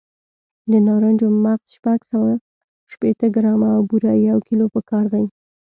د نارنجو مغز شپږ سوه شپېته ګرامه او بوره یو کیلو پکار دي.